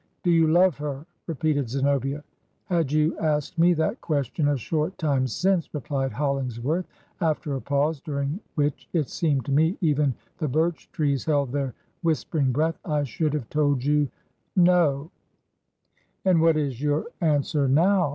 ' Do you love her?' repeated Zenobia. 'Had you asked me that question a short time since,' replied Hollingsworth, after a pause, during which, it seemed to me, even the birch trees hdd their whispering breath, 'I should have told you— No I' ... 'And what is your answer now